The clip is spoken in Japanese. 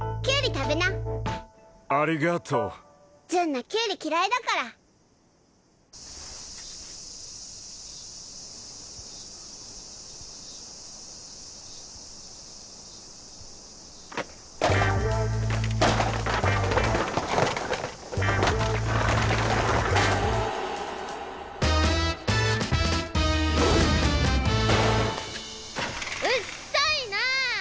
食べなありがとう純粋愛キュウリ嫌いだからうっさいなあ！